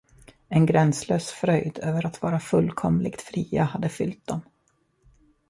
En gränslös fröjd över att vara fullkomligt fria hade fyllt dem.